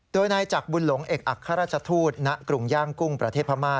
โดยนายจักรบุญหลงเอกอัครราชทูตณกรุงย่างกุ้งประเทศพม่า